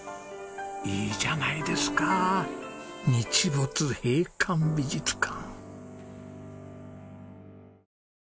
いいじゃないですか日没閉館美術館！